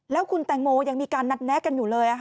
แล้วคุณแตงโมยังมีการนัดแนะกันอยู่เลย